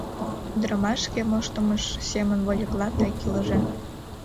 Ӱдырамаш шке моштымыж семын вольыкла тек илыже.